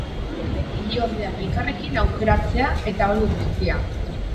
Ama-alabek ileordeak elkarrekin aukeratzea eta hori guztia.